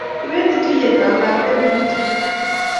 Kipendi tuyet ab lakwet ne kituni